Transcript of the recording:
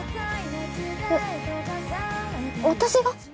えっ私が？